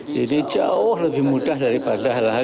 jadi jauh lebih mudah daripada hal hal